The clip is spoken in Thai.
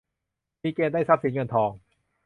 มีเกณฑ์ได้ทรัพย์สินเงินทอง